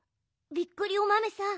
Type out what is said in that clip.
びっくりおまめさん